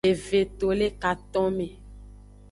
Eve to le katonme.